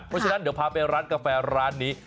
เพราะฉะนั้นเดี๋ยวพาไปร้านกาแฟร้านนี้